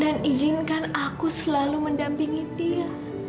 dan izinkan aku selalu mendampingi dia